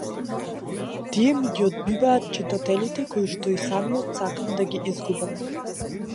Тие ми ги одбиваат читателите коишто и самиот сакам да ги изгубам.